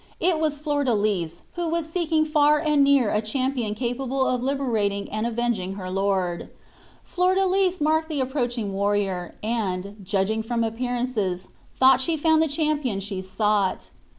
It was Flordelis, who was seeking far and near a champion capable of liberating and avenging her lord. Flordelis marked the approaching warrior, and, judging from appearances, thought she had found the champion she sought.